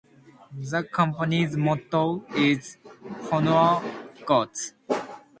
The Company's motto is "Honour God".